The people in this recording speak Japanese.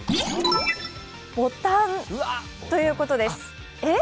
ボタンということです。